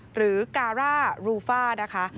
หรือการ่ารูฟ่า